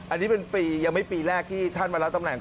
อันนี้เป็นปียังไม่ปีแรกที่ท่านมารับตำแหน่ง